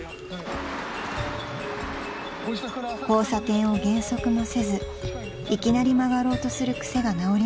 ［交差点を減速もせずいきなり曲がろうとする癖が直りません］